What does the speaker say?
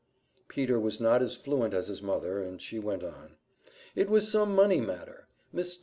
Peter was not as fluent as his mother, and she went on. "It was some money matter. Mr.